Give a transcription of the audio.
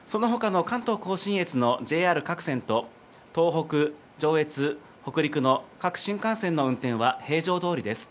そのほかの関東甲信越のＪＲ各線と東北、上越、北陸の各新幹線の運転は平常どおりです。